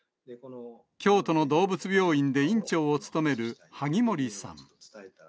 京都の動物病院で院長を務める萩森さん。